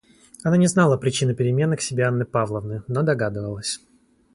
Она не знала причины перемены к себе Анны Павловны, но догадывалась.